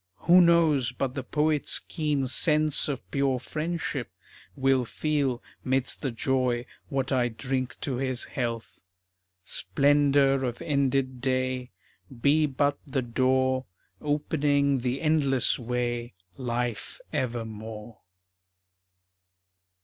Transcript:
Who knows but the poet's keen sense of pure friendship Will feel, 'midst the joy, what I drink to his health? Splendor of ended day Be but the door Opening the endless way Life evermore.